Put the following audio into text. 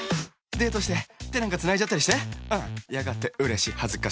デートして手なんかつないじゃったりしてうんやがてうれし恥ずかしのキス